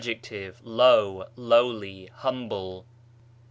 low, lowly, humble.